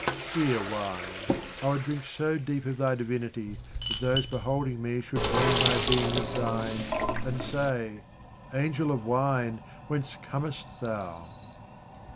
Dear wine, I would drink so deep of thy divinity that those beholding me should blend my being with thine, and say, " Angel of wine, whence comest thou